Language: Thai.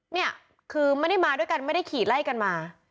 เนี่ยคือไม่ได้มาด้วยกันไม่ได้ขี่ไล่กันมา